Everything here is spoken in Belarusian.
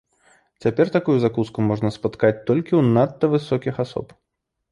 Цяпер такую закуску можна спаткаць толькі ў надта высокіх асоб.